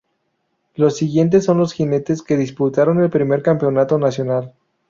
Los siguientes son los jinetes que disputaron el primer campeonato nacional.